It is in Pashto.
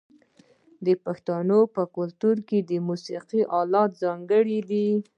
د پښتنو په کلتور کې د موسیقۍ الات ځانګړي دي.